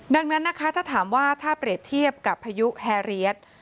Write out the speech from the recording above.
ดังนั้นนะคะถ้าถามว่าถ้าเปรียบเทียบกับพายุแฮเรียส